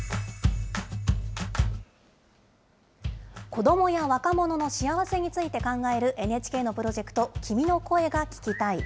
子どもや若者の幸せについて考えるＮＨＫのプロジェクト、君の声が聴きたい。